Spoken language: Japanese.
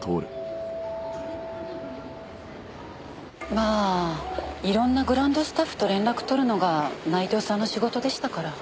まあ色んなグランドスタッフと連絡取るのが内藤さんの仕事でしたから。